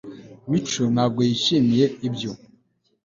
mico ntabwo yishimiye ibyo